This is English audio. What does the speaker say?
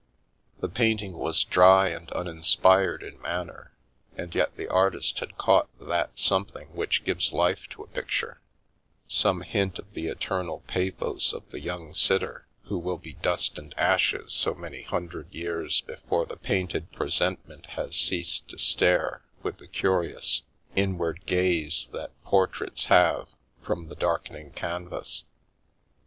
The painting was dry and uninspired in manner, and yet the artist had caught that something which gives life to a picture — some hint of the eternal pathos of the young sitter who will be dust and ashes so many hundred years before the painted presentment has ceased to stare, with the curious, inward gaze that My Four Houses portraits have, from the darkening canvas.